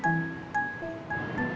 kenapa bang ojak